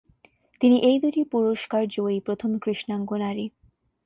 তিনি এই দুটি পুরস্কার জয়ী প্রথম কৃষ্ণাঙ্গ নারী।